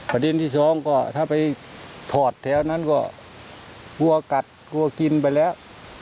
ประเด็นที่สองก็ถ้าไปถอดแถวนั้นก็กลัวกัดกลัวกินไปแล้ว